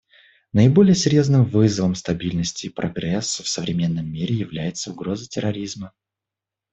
Наиболее серьезным вызовом стабильности и прогрессу в современном мире является угроза терроризма.